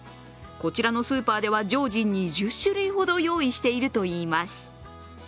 こちらのスーパーでは常時２０種類ほど用意しているといいます。